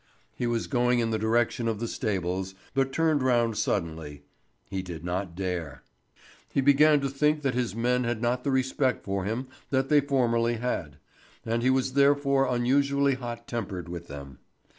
He was going in the direction of the stables, but turned round suddenly. He did not dare. He began to think that his men had not the respect for him that they formerly had, and he was therefore unusually hot tempered with them.